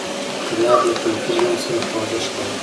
ګلاب له تنکي ځوان سره خواږه ښکاري.